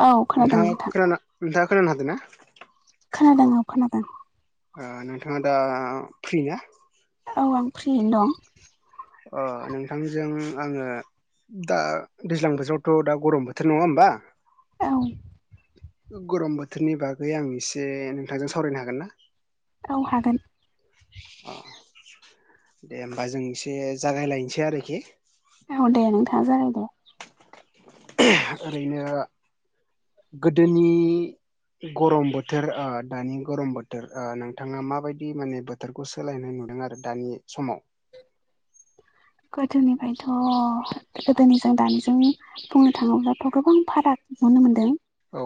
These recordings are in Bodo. औ खोनादों नाथां नोंथां खोना-खोनानो हादोंना खोनादों औ खोनादों नोंथाङा दा फ्रि ना औ आं फ्रियैनो दं अ नोंथांजों आङो दा दैज्लां बोथोरावथ' दा गरम बोथोर नङा होमबा औ गरम बोथोरनि बागै आं एसे नोंथांजों सावरायनो हागोन ना औ हागोन अ दे होनोमबा जों एसे जागायलायनोसै आरोखि औ दे नोंथाङा जागाय दे ओरैनो गोदोनि गरम बोथोर दानि गरम बोथोर नोंथाङा माबायदि माने बोथोर बोथोरखौ सोलायनाय नुदों आरो दानि समाव गोथोनिफ्रायथ' गोदोनि जों दानिजों बुंनो थाङोब्लाथ' गोबां फाराग नुनो मोन्दों। औ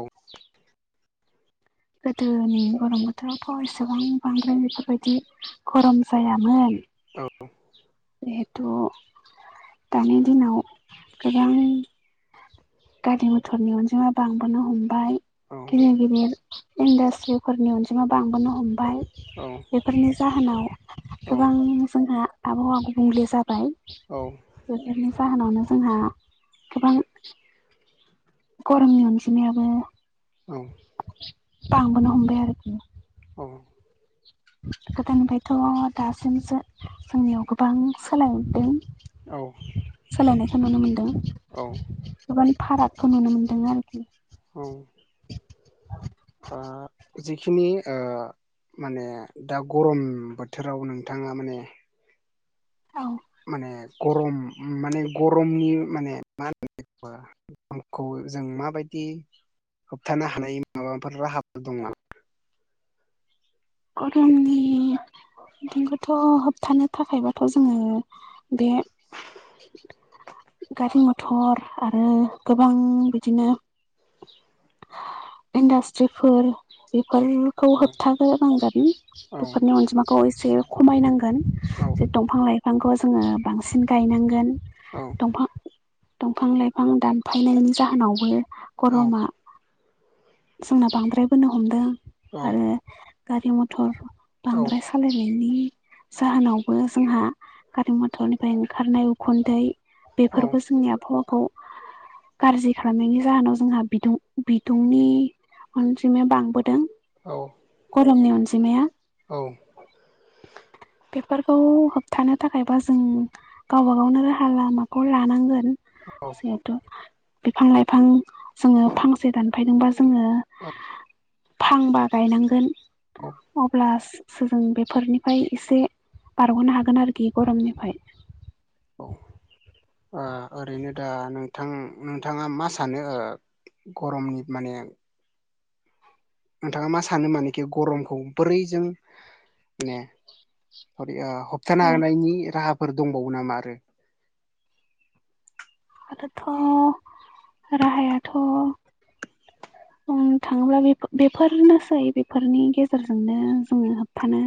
गोदोनि गरम बोथोरावथ' एसेबां बांद्राय बेफोरबायदि गरम जायामोन। औ जिहेथु दानि दिनाव गोबां गारि मथरनि अनजिमा बांबोनो हमबाय औ गिदिर गिदिर इन्डासट्रिफोरनि अनजिमा बांबोनो हमो बेफोरनि जाहोनाव औ गोबां जोंहा आबौ आबौ गुबुंले जाबाय औ बेफोरनि जाहोनावनो जोंहा गोबां गरमनि अनजिमायाबो औ बांबोनो हमबाय आरोखि गोदोनिफ्रायथ' दासिमसो जोंनियाव गोबां सोलायरदों औ। सोलायनायखौ नुनो मोनदों औ गोबानि फारागखौ नुनो मोनदों आरोखि। औ ओ जिखिनि ओ माने दा गरम बोथोराव नोंथाङा माने औ। माने गरम माने गरमनि माने मा होनो बेखौ [unintelligible] खौ जों माबायदि होबथानो हानाय माबाफोर राहाफोर दं नामा? गरमनि बिथिंखौथ' होबथानो थाखायबाथ' जोङो बे गारि मथर आरो गोबां बिदिनो इन्डास्ट्रिफोर बेफोर खौ औ होबथाग्रोनांगोन औ बेफोरनि अनजिमाखौ एसे खमायनांगोन। औ। जे दंफां लाइफांखौ जोङो बांसिन गायनांगोन औ दंफां दंफां लाइफां दानफायनायनि जाहोनावबो औ गरमा जोंना बांद्रायबोनो हमदों औ आरो गारि मथर औ बांद्राय सालायनायनि जाहोनावबो जोंहा गारि मथरनिफ्राय ओंखारनाय उखुन्दै बेफोरबो औ जोंनि आबहावाखौ गारजि खालामनायनि जाहोनाव जोंहा बिदुं बिदुंनि अनजिमाया बांबोदों औ। गरमनि अनजि माया औ। बेफोरखौ होबथानो थाखायबा जों गावबा गावनो राहा लामाखौ लानांगोन। जिहेथु बिफां लाइफां जोङो फांसे दानफायदोंबा जोङो अ फांबा गायनांगोन औ। अब्लासो जों बेफोरनिफ्राय एसे बारग'नो हागोन आरोखि गरमनिफ्राय। औ ओ ओरैनो दा नोंथां नोंथाङा मा सानो गरमनि माने नोंथाङा मा सानो मानेखि गरमखौ बोरैजों माने [unintelligible] होबथानो औ हानायनि राहाफोर दंबावो नामा आरो? आरोथ' राहायाथ' बुंनो थाङोब्ला बेफोरनोसै बेफोरनि गेजेरजोंनो जोङो होबथानो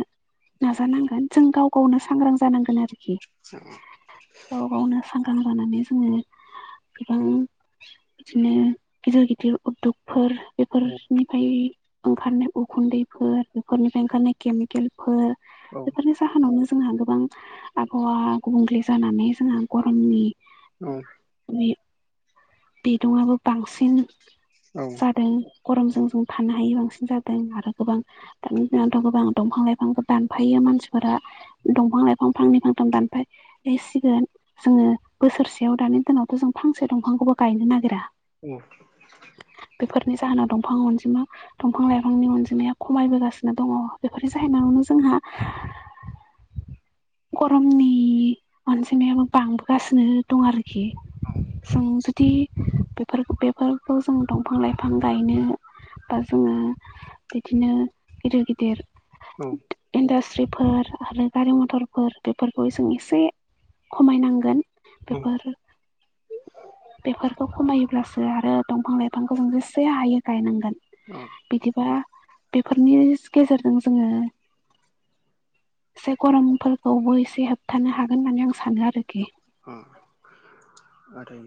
नाजानांगोन जों गाव गावनो सांग्रां जानांगोन आरोखि। औ गाव गावनो सांग्रां जानानै जोङो गोबां बिदिनो गिदिर गिदिर उद्यग फोर औ बेफोरनिफ्राय ओंखारनाय उखुन्दैफोर बेफोरनिफ्राय ओंखारनाय केमिकेलफोर औ। बेफोरनि जाहोनावनो जोंहा गोबां आबहावा गुबुंले जानानै जोंहा गरमनि औ। [unintelligible] बिदुंआबो बांसिन औ। लादों गरमजों जों थानो हायै बांसिन जादों आरो गोबां दान दनाथ' गोबां दंफां लाइफांबो दानफायो मानसिफोरा दंफां लाइ फां फांनै फांथाम दानफाय एसिगोन जोङो बोसोरसेयाव दानि दिनावथ' जों फांसे दंफांखौबो गायनो नागिरा। औ। बेफोरनि जाहोनाव दंफां अनजिमा दंफां लाइफांनि अनजिमाया खमायबोगासिनो दङ। बेफोरनि जाहैनायावनो जोंहा [inaudible] गरमनि अनजिमायाबो बांबोगासिनो दं आरोखि। औ। [unintelligible] दि बेफोर बेफोरखौ जों दंफां लाइफां गायनो बा जोङो बिदिनो गिदिर गिदिर। इन्डास्ट्रिफोर आरो गारि मथरफोर बेफोरखौ जों एसे खमायनांगोन। बेफोर बेफोरखौ खमायोब्लासो आरो दंफां लाइफांखौ जों जेसे हायो गायनांगोन। औ। बिदिबा बेफोरनि गेजेरजों जोङो एसे गरमफोरखौबो एसे होबथानो हागोन होननानै आं सानो आरोखि। अ आरो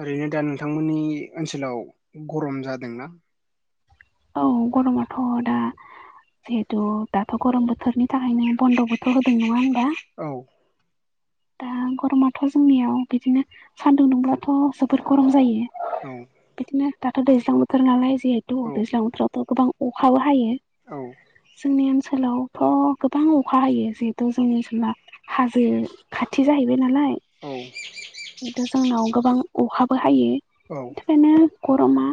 ओरैनो दा नोंथांमोननि ओनसोलाव गरम जादोंना औ गरमाथ' दा जिहेथु दाथ' गरम बोथोरनि थाखायनो बन्द'बोथ' होदों नङा होनबा। औ। दा गरमाथ' जोंनियाव बिदिनो सान्दुं दुंब्लाथ' जोबोर गरम जायो। औ। बिदिनो दाथ' दैज्लां बोथोर नालाय जिहेथु औ दैज्लां बोथोरावथ' गोबां अखाबो हायो। जोंनि ओनसोलावथ' गोबां अखा हायो जिहेथु जोंनि ओनसोला हाजो खाथि जाहैबाय नालाय। औ। बेथ' जोंनाव गोबां अखाबो हायो औ बिनि थाखायनो गरमा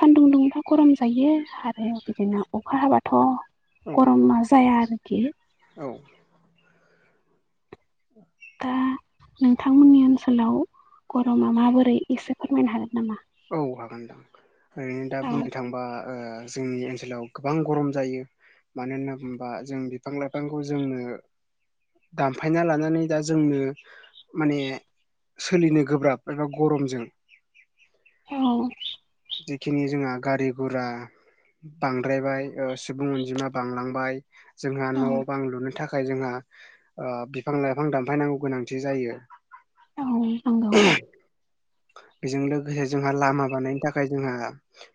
सानदुं दुंबा गरम जायो आरो बिदिनो अखा हाबाथ' गरमा जाया आरोखि। औ। दा नोंथांमोननि ओनसोलाव गरमा माबोरै एसे फोरमायनो हागोन नामा। औ हागोन नोंथां ओरैनो दा औ बुंनो थांबा ओ जोंनि ओनसोलाव गोबां गरम जायो। मानो होनना बुङोबा जों बिफां लाइफांखौ जोंनो दानफायना लानानै दा जोंनो माने सोलिनो गोब्राब एबा गरमजों औ। जिखिनि जोंहा गारि घुरा बांद्रायबाय ओ सुबुं अनजिमा बांलांबाय। जोंहा औ न' बां लुनो थाखाय जोंहा ओ बिफां लाइफां दानफायनांगौ गोनांथि जायो। औ नंगौ। बेजों लोगोसे जोंहा लामा बानायनो थाखाय जोंहा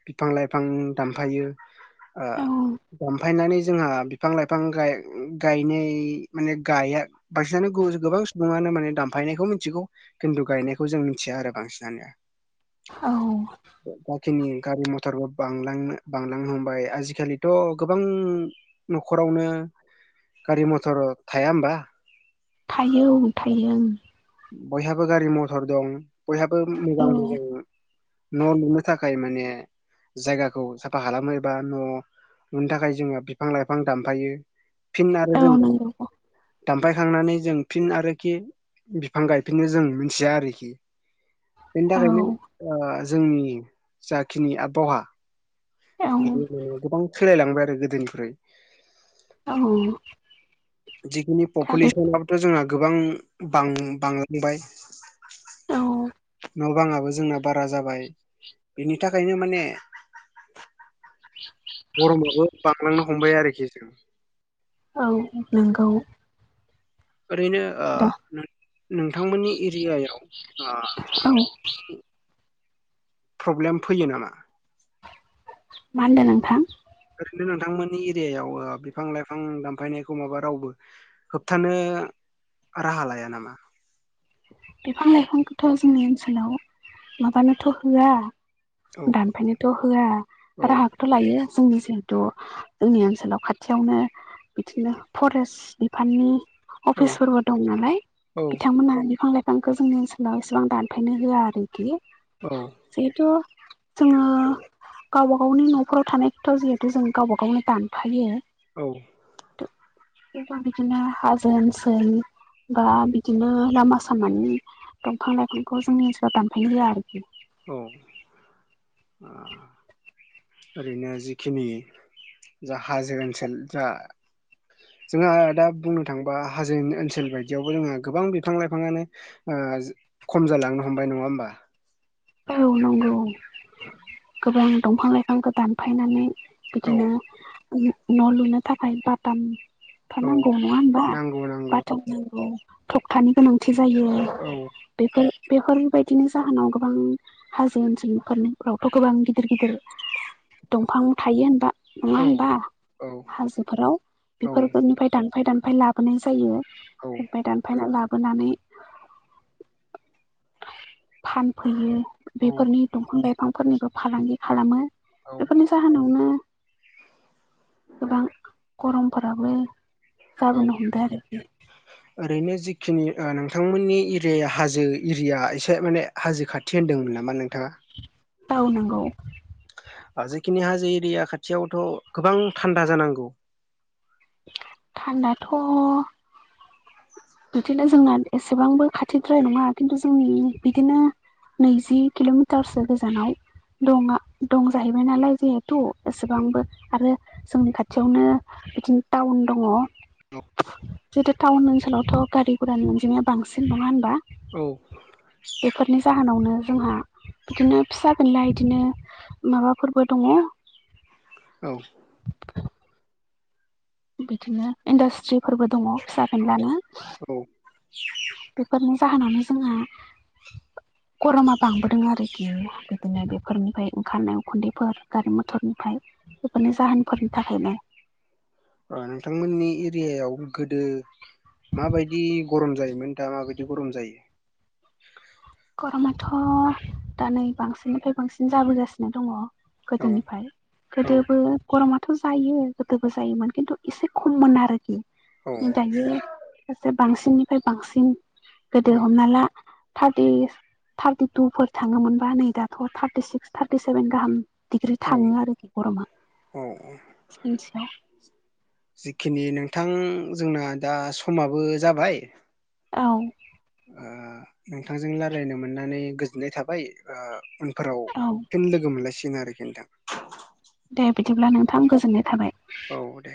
बिफां लाइफां दानफायो ओ औ दामफायनानै जोंहा बिफां लाइफां गाय गायनाय माने गाया बांसिनानो गोबां सुबुङानो माने दानफायनायखौ मिथिगौ खिन्थु गायनायखौ जों मिथिया आरो। बांसिनानो औ। जाखिनि गारि मथरबो बांलांनो बांलांनो हमबाय आजिखालिथ' गोबां न'खरावनो गारि मथर थाया होमबा। थायो औ थायो ओं बयहाबो गारि मथर दं बयहाबो मोजां ओं मोजां न' लुनो थाखाय थाखाय माने जायगाखौ साफा खालामो एबा न' लुनो थाखाय जोङो बिफां लाइफां दानफायो। फिन आरो औ जों औ नंगौ दामफायखांनानै जों फिन आरोखि बिफां गायफिननो जों मिथिया आरोखि। बेनि औ थाखायनो ओ जोंनि जाखिनि आबहावा औ बिदिनो गोबां सोलायलांबाय आरो गोदोनिफ्राय। औ जिखिनि बे पपुलेसनाबोथ' जोंहा गोबां बां-बांलांबाय। औ न' बाङाबो जोंना बारा जाबाय बिनि थाखायनो माने ब गरमाबो बांलांनो हमबाय आरोखि जों औ नोंगौ ओरैनो ओ नोंथांमोननि एरियायाव ओ औ बिफां लाइफां प्रब्लेम फैयो नामा? मा होनदों नोंथां? ओरैनो नोंथांमोननि एरियायाव बिफां लाइफां दानफायनायखौ माबा रावबो होबथानो राहा लाया नामा? बिफां लाइफांखौथ' जोंनि ओनसोलाव माबानोथ' होआ औ दानफायनोथ' होआ औ राहाखौथ' लायो जोंनि जिहेथु जोंनि ओनसोलाव खाथियावनो बिदिनो फरेस्ट बिफाननि औ अफिसफोरबो दं नालाय औ बिथांमोनहा बिफां लाइ फांखौ जोंनि ओनसोलाव एसेबां दानफायनो होआ आरोखि। औ जिहेथु जोङो गावबा गावनि न'फोराव थानाय खोथ' जिहेतु जों गावबा गावनो दानफायो। औ गोबां बिदिनो हाजो ओनसोल बा बिदिनो लामा सामानि दंफां लाइफांखौ जोंनि ओनसोलाव दानफायनो होया आरोखि। औ ओ ओरैनो जिखिनि जा हाजो ओनसोल जा जोंहा दा बुंनो थाङोबा हाजोनि ओनसोल बायदियावबो जोंहा गोबां बिफां लाइफाङानो ओ खम जालांनो हमबाय नङा होमबा। औ नंगौ गोबां दंफां लाइफांखौ दानफायनानै औ बिदिनो न' लुनो थाखाय बाथाम फा औ नांगौ नङा होनबा नांगौ नांगौ बाथाम नांगौ। थखथानि गोनांथि जायो। औ बेफोर बेफोरबायदिनि जाहोनाव गोबां हाजो ओनसोलनि'फोरनिफ्रावथ' गोबां गिदिर गिदिर दंफां थायो होनबा। औ नङा होनबा। हाजोफोराव औ बेफोरनिफ्राय दानफाय दानफाय लाबोनाय जायो ओमफाय दान फायना लाबोनानै फानफैयो। औ बेफोरनि दंफां लाइफांफोरनिबो फालांगि खालामो औ बेफोरनि जाहोनावनो गोबां गरमफोराबो औ जाबोनो हमदों आरो। ओरैनो जिखिनि ओ नोंथांमोननि एरिया हाजो एरिया एसे माने हाजो खाथि होनदोंमोन नामा नोंथाङा। औ नंगौ जेखिनि हाजो एरिया खाथियावथ' गोबां थान्दा जानांगौ। थान्दाथ' बिदिनो जोंना एसेबांबो खाथिद्राय नङा खिन्थु जों बिदिनो नैजि किल'मिटारसो गोजानाव दङा दं जाहैबाय नालाय जे थ' एसेबांबो आरो जोंनि खाथियावनो बिदिनो टाउन दङ औ जितु टाउन ओनसोलावथ' गारि घरानि अनजिमाया बांसिन नङा होनबा? औ फोरनि जाहोनावनो जोंहा बिदिनो फिसा फेनला बिदिनो माबाफोरबो दङ। औ बिदिनो इन्डास्ट्रिफोरबो दङ फिसा फेनलानो। औ बेफोरनि जाहोनावनो जोंहा गरमा बांबोदों आरोखि बिदिनो बेफोरनिफ्राय ओंखारनायाव उखुन्दैफोर गारि मथरनिफ्राय बेफोरनि जाहोनफोरनि थाखायनो नोंथांमोननि एरियायाव गोदो माबायदि गरम जायोमोन दा माबायदि गरम जायो? गरमाथ' दा नै बांसिननिफ्राय बांसिन जाबोगासिनो दङ। औ गोदोनिफ्राय औ गोदोबो गरमाथ' जायो गोदोबो जायोमोन खिन्थु एसे खममोन आरोखि औ दायो ससे बांसिननिफ्राय बांसिन गोदो हमना ला दि थार्टि टुफोर थाङोमोनबा नै दाथ' थार्टि सिक्स थारटि सेभेन गाहाम डिग्रि औ थाङो आरोखि गरमा औ सानसेयाव जिखिनि नोंथां जोंना दा समाबो जाबाय औ नोंथांजों रायलायनो मोननानै गोजोननाय थाबाय उनफोराव औ फिन लोगो मोनलायसिन आरोखि नोंथां। दे बिदिब्ला नोंथां गोजोननाय थाबाय। औ दे